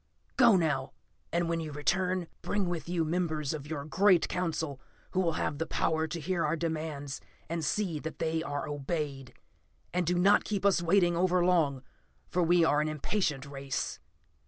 "Go, now and when you return, bring with you members of your great Council who will have the power to hear our demands, and see that they are obeyed. And do not keep us waiting over long, for we are an impatient race."